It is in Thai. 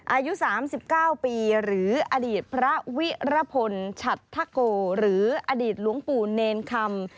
อายุ๓๙ปีหรืออดีตพระวิรพลฉัดทะโกหรืออดีตหลวงปู่เนรคำ